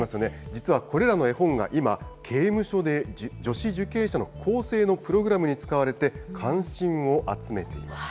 実はこれらの絵本が今、刑務所で女子受刑者の更生のプログラムに使われて、関心を集めています。